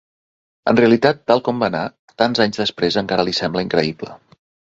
En realitat, tal com va anar, tants anys després encara li sembla increïble.